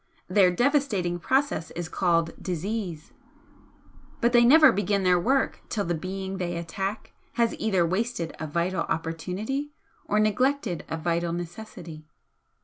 Their devastating process is called disease, but they never begin their work till the being they attack has either wasted a vital opportunity or neglected a vital necessity.